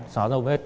xóa dấu vết